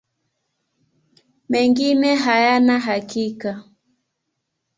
Mengine hayana hakika.